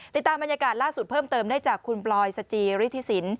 ติดตามบรรยากาศล่าสุดเพิ่มเติมได้จากคุณปลอยสจิริธิสิน